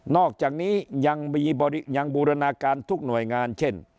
อกจากนี้ยังบูรณาการทุกหน่วยงานเช่น